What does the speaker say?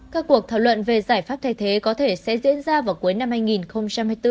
các cuộc thảo luận về giải pháp thay thế có thể sẽ diễn ra vào cuối năm hai nghìn hai mươi bốn